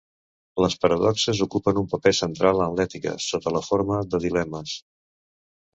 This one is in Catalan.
Les paradoxes ocupen un paper central en l'ètica, sota la forma de dilemes.